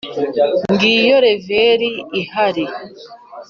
ngiyo leveri ihari.